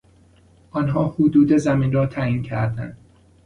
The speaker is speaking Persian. آنها حدود زمین را تعیین کردند.